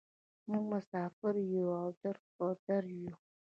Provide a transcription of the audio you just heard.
موږ مسافر یوو او در په در یوو.